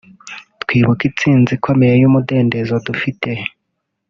twibuka intsinzi ikomeye y’umudendezo dufite